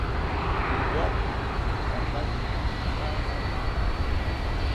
Iwatha pojataki paamariki